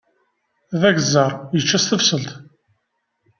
D agezzar, ičča s tebṣelt.